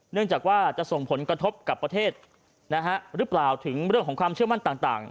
เนื่องจากว่าจะส่งผลกระทบกับประเทศนะฮะหรือเปล่าถึงเรื่องของความเชื่อมั่นต่าง